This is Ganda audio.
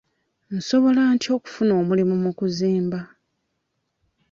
Nsobola ntya okufuna omulimu mu kuzimba?